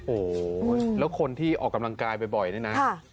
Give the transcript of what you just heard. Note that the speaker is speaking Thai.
โอ้โหแล้วคนที่ออกกำลังกายบ่อยนี่นะ